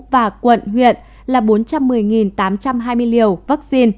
và quận huyện là bốn trăm một mươi tám trăm hai mươi liều vaccine